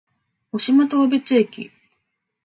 渡島当別駅